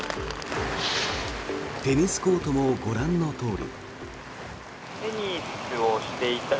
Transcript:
テニスコートもご覧のとおり。